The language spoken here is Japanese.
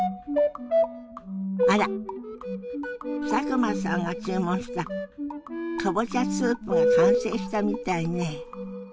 あら佐久間さんが注文したかぼちゃスープが完成したみたいね。